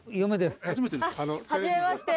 初めまして。